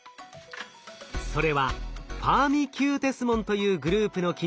それはファーミキューテス門というグループの菌です。